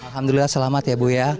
alhamdulillah selamat ya bu ya